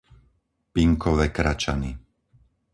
Pinkove Kračany